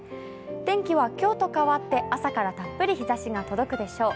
天気は今日と変わって朝からたっぷり日ざしが届くでしょう。